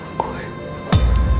gue ngelakuin ini semua